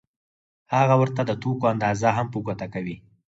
هغه ورته د توکو اندازه هم په ګوته کوي